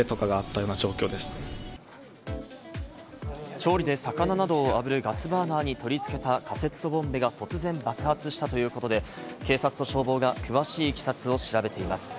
調理で魚などを炙るガスバーナーに取り付けたカセットボンベが突然爆発したということで、警察と消防が詳しいいきさつを調べています。